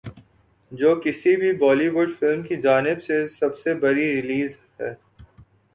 جو کسی بھی بولی وڈ فلم کی جانب سے سب سے بڑی ریلیز ہے